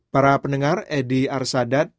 para pendengar edy arsadat